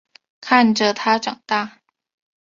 看着他长大